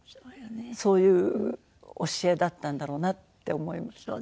そういう教えだったんだろうなって思います。